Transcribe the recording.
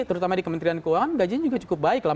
terutama di kementerian keuangan gajinya juga cukup baik lah